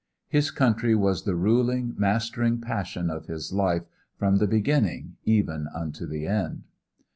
His country was the ruling, mastering passion of his life from the beginning even unto the end.